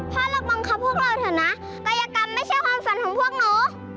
เราบังคับพวกเราเถอะนะกายกรรมไม่ใช่ความฝันของพวกหนู